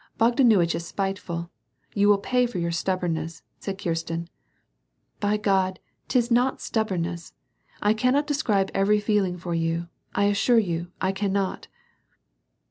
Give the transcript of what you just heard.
Bogdanuitch is spiteful. You will pay for your stubbornness," said Kirsten. " By God ! 'tis not stubbornness ! I cannot describe every feeling for you, I assure you, I cannot."